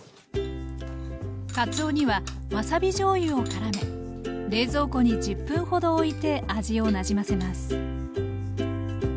かつおにはわさびじょうゆをからめ冷蔵庫に１０分ほどおいて味をなじませます